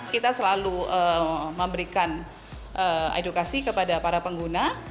kita selalu memberikan edukasi kepada para pengguna